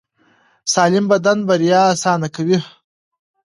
سالم بدن بریا اسانه کوي.